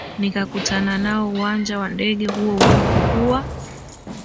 nikakutana nao uwanja wa ndege huo ulikuwa